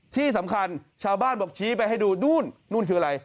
ที่สำคัญชาวบ้านบอกชี้ไปให้ดูนู่นนู่นคืออะไร